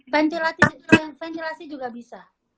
ventilasi juga bisa